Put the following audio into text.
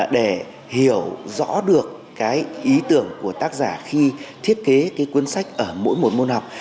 để hiểu rõ được cái ý tưởng của tác giả khi thiết kế cái cuốn sách ở mỗi một môn học